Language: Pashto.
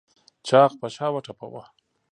چاغ په شا وټپوه.